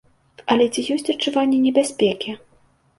Але ці ёсць адчуванне небяспекі?